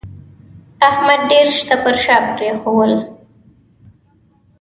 احمد ډېر شته پر شا پرېښول